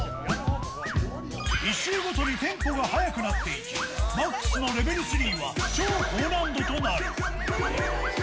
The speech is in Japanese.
１周ごとにテンポが速くなっていき、マックスのレベル３は、超高難度となる。